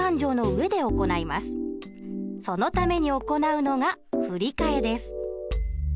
そのために行うのが振り替えです。